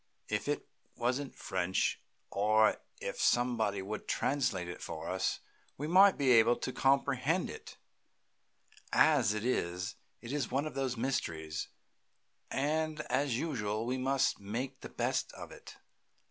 If it wasn't French, or if somebody would translate it for us, we might be able to comprehend it; as it is, it is one of the mysteries, and, as usual, we must make the best of it.